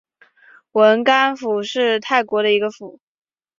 汶干府是泰国的一个府。